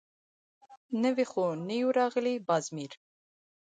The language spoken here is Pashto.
_نوي خو نه يو راغلي، باز مير.